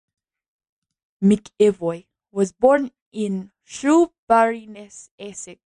McEvoy was born in Shoeburyness, Essex.